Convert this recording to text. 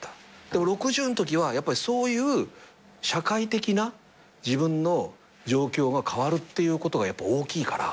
でも６０のときはやっぱりそういう社会的な自分の状況が変わるっていうことが大きいから。